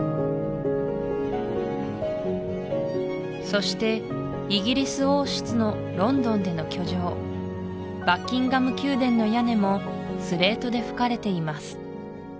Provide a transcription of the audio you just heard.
そしてイギリス王室のロンドンでの居城バッキンガム宮殿の屋根もスレートで葺かれています